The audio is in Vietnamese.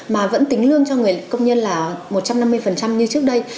mà vẫn tính lương cho người công nhân là một trăm năm mươi như trước đây